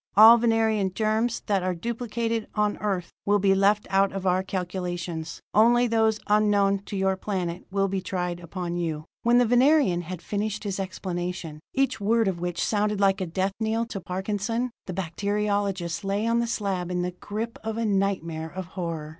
All Venerian germs that are duplicated on Earth will be left out of our calculations. Only those unknown to your planet will be tried upon you." When the Venerian had finished his explanation, each word of which had sounded like a death knell to Parkinson, the bacteriologist lay on the slab in the grip of a nightmare of horror.